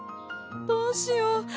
どうしよう？